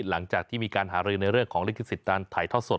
หลังจากที่มีการหารือในเรื่องของฤทธิสิตตามไทยทอดสด